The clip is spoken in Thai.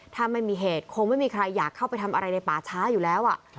ถ้าไม่มีเหตุคงไม่มีใครอยากเข้าไปทำอะไรในป่าช้าอยู่แล้ว